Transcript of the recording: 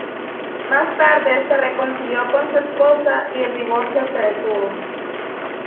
Más tarde se reconcilió con su esposa y el divorcio se detuvo.